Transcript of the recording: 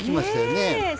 ねえ。